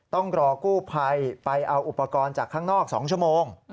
ต้องรอกู้ภัยไปเอาอุปกรณ์จากข้างนอก๒ชั่วโมง